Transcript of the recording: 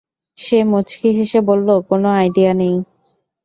সে মুচকি হেসে বলল কোন আইডিয়া নেই।